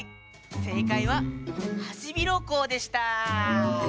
せいかいはハシビロコウでした。